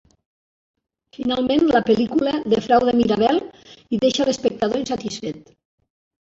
Finalment, la pel·lícula defrauda Mirabelle i deixa l'espectador insatisfet.